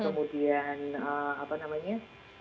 kemudian apa namanya